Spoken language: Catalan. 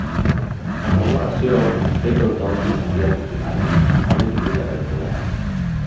En comparació, Stapleton se sentia afortunada: mai he tingut aquest problema.